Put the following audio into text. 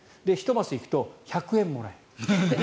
１マス行くと１００円もらえる。